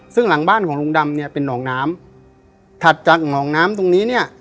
ซึ่งหลังบ้านของลุงดำเนี่ยเป็นหนองน้ำถัดจากหนองน้ำตรงนี้เนี่ย